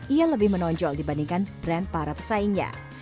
ia lebih menonjol dibandingkan brand para pesaingnya